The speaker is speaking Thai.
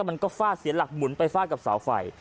มันก็ฟาดเสียหลักหมุนไปฟาดกับเสาไฟ